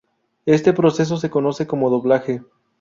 Este proceso se conoce como doblaje.